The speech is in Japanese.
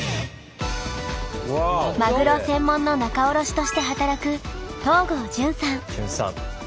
マグロ専門の仲卸として働く潤さん。